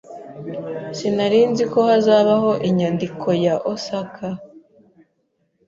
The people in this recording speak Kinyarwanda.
Sinari nzi ko hazabaho inyandiko ya Osaka.